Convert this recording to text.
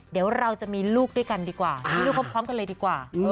เดี๋ยวเราจะมีลูกด้วยกันดีกว่ามีลูกพร้อมกันเลยดีกว่า